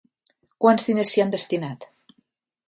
Quants diners s'hi han destinat?